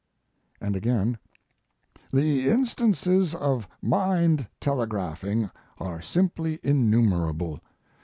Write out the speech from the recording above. And again: The instances of mind telegraphing are simply innumerable.